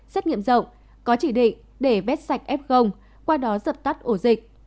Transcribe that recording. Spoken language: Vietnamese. xét nghiệm rộng có chỉ định để vết sạch f qua đó dập tắt ổ dịch